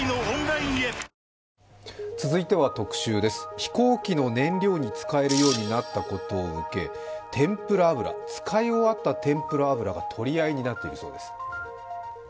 飛行機の燃料に使えるようになったことを受け、使い終わった天ぷら油が取り合いになっているそうです。